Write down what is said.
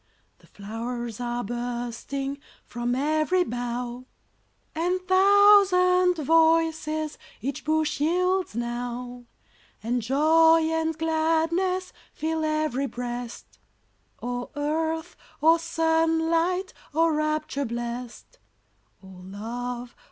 The flow'rs are bursting From ev'ry bough, And thousand voices Each bush yields now. And joy and gladness Fill ev'ry breast! Oh earth! oh sunlight! Oh rapture blest! Oh love!